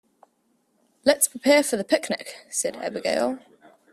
"Let's prepare for the picnic!", said Abigail.